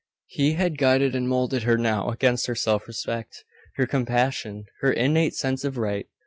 He had guided and moulded her now against her self respect, her compassion, her innate sense of right.